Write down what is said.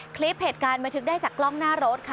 คลิปเหตุการณ์บันทึกได้จากกล้องหน้ารถค่ะ